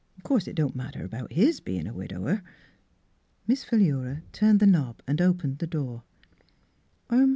'Course it don't matter about his bein' a widower." Miss Philura turned the knob and opened the door.